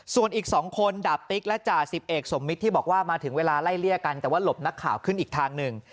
ส่วนอีก๒คนดาบติ๊กและจ่าสิบเอกสมมิตรที่บอกว่ามาถึงเวลาไล่เลี่ยกันแต่ว่าหลบนักข่าวขึ้นอีกทางหนึ่ง